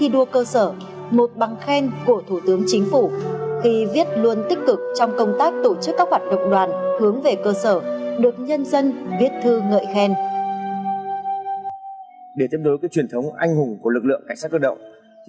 để tiếp đối với truyền thống anh hùng của lực lượng cảnh sát cơ động